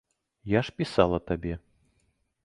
Я ж пісала табе.